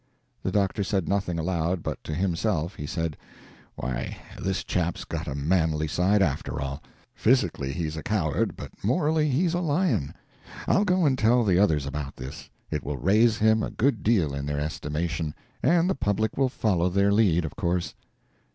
The doctor said nothing aloud, but to himself he said: "Why, this chap's got a manly side, after all! Physically he's a coward, but morally he's a lion. I'll go and tell the others about this; it will raise him a good deal in their estimation and the public will follow their lead, of course."